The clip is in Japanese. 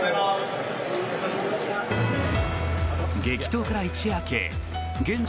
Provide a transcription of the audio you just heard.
激闘から一夜明け現地